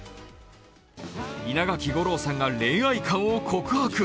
稲垣吾郎さんが恋愛観を告白。